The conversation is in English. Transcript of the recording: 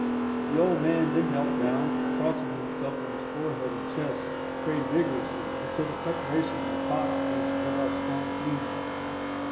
The old man then knelt down, and crossing himself on his forehead and chest, prayed vigorously, until the preparation in the pot began to give off strong fumes.